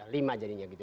lima jadinya gitu ya